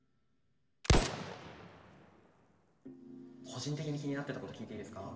個人的に気になってたこと聞いていいですか？